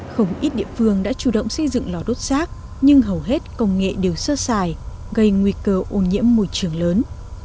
không ít địa phương đã chủ động xây dựng lò đốt rác nhưng hầu hết công nghệ đều sơ xài gây nguy cơ ô nhiễm môi trường lớn